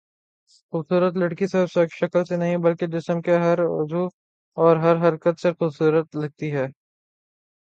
خوبصورت لڑکی صرف شکل سے نہیں بلکہ جسم کے ہر عضو اور ہر حرکت سے خوبصورت لگتی ہے